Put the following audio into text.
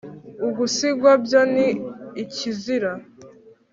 ugusigwa byo ni ikizira